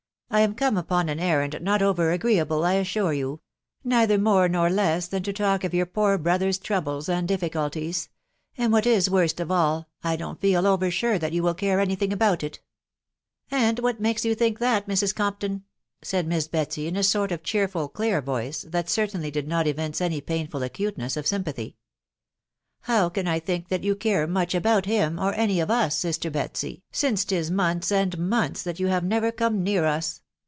" I am come upon an errand not over agreeable, I assure you — neither more nor less than to talk of your poor brother's troubles and difficulties ; and what is worst of all, I don't feel over sure that you will care any thing about it" " And what makes you think that, Mrs. Compton ?" said Miss Betsy in a sort of cheerful, clear voice, that certainly did not evince any painful acuteness of sympathy. " How can I think that you care much about him, or any of us, sister Betsy, since 'tis months and months that you have never come near us